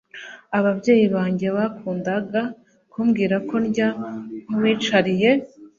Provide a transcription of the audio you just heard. Ababyeyi banjye bakundaga kumbwira ko ndya nk uwicariye